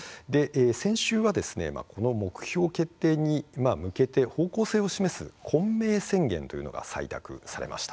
先週は目標決定に向けて方向性を示す昆明宣言というのが採択されました。